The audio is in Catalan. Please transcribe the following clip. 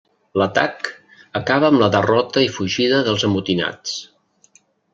L'atac acaba amb la derrota i fugida dels amotinats.